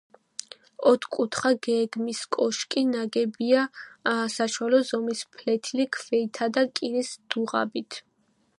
ოთხკუთხა გეგმის კოშკი ნაგებია საშუალო ზომის ფლეთილი ქვითა და კირის დუღაბით.